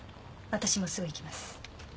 私もすぐ行きます。